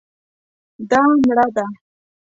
دا مړه ده